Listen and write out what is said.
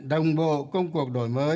đồng bộ công tác